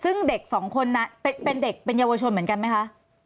ซึ่งเด็กสองคนนั้นเป็นเด็กเป็นเยาวชนเหมือนกันไหมคะ